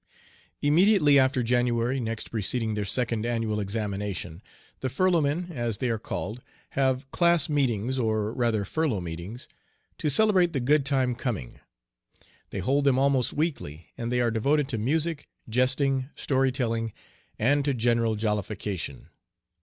Immediately after January next preceding their second annual examination, the furloughmen, as they are called, have class meetings, or rather furlough meetings, to celebrate the "good time coming." They hold them almost weekly, and they are devoted to music, jesting, story telling, and to general jollification.